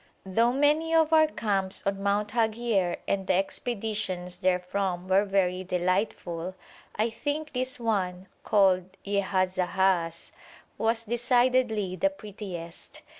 Though many of our camps on Mount Haghier and the expeditions therefrom were very delightful, I think this one, called Yehazahaz, was decidedly the prettiest.